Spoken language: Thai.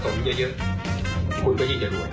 โอเค